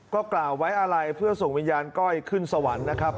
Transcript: ก็กล่าวไว้อะไรเพื่อส่งวิญญาณก้อยขึ้นสวรรค์นะครับ